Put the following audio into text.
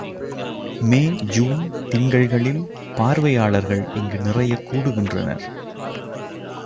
மே, June திங்கள்களில் பார்வையாளர்கள் இங்கு நிறையக் கூடுகின்றனர்.